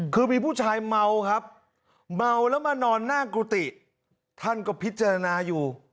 คือมีผู้ชายเมาครับเมาแล้วมานอนหน้ากุฏิท่านก็พิจารณาอยู่